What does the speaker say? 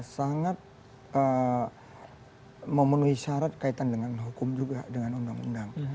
sangat memenuhi syarat kaitan dengan hukum juga dengan undang undang